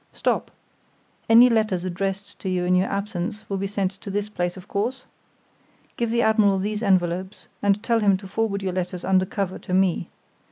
Stop! Any letters addressed to you in your absence will be sent to this place, of course? Give the admiral these envelopes, and tell him to forward your letters under cover to me.